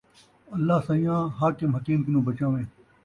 اللہ سئیں آں! حاکم حکیم کنوں بچاویں